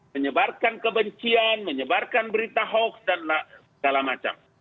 menyebarkan kebencian menyebarkan berita hoax dan segala macam